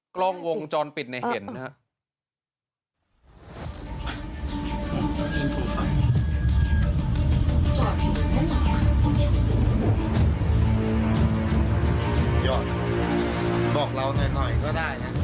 กล้องวงจรปิดในเห็นนะครับ